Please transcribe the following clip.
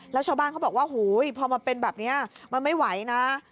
แล้วชาวบ้านเขาบอกว่าหูยพอมาเป็นแบบนี้มันไม่ไหวนะ